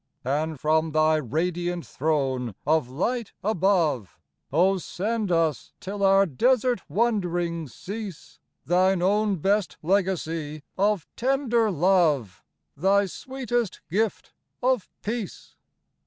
And, from Thy radiant throne of light above, Oh, send us, till our desert wanderings cease, Thine own best legacy of tender love, — Thy sweetest gift of peace